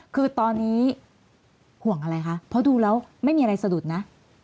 คือตอนนี้ห่วงอะไรคะเพราะดูแล้วไม่มีอะไรสะดุดนะ